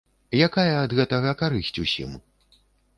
Якая ад гэтага карысць усім?